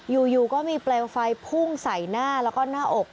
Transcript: อยู่ก็มีเปลวไฟพุ่งใส่หน้าแล้วก็หน้าอก